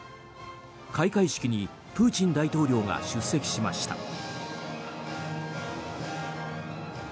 開会式にプーチン大統領が出席しました。